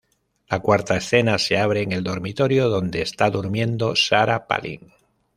La cuarta escena se abre en el dormitorio donde está durmiendo Sarah Palin.